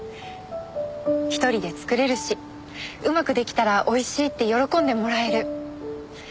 １人で作れるしうまく出来たらおいしいって喜んでもらえる。